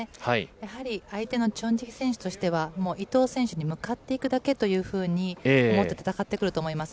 やはり相手のチョン・ジヒ選手としては、もう伊藤選手に向かっていくだけというふうに思って戦ってくると思います。